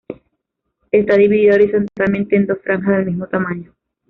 Está dividida horizontalmente en dos franjas del mismo tamaño.